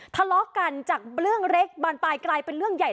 ทะเลาะกันจากเรื่องเล็กบานปลายกลายเป็นเรื่องใหญ่